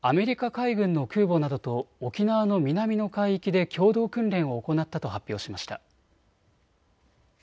海上自衛隊はアメリカ海軍の空母などと沖縄の南の海域で共同訓練を行ったと発表しました。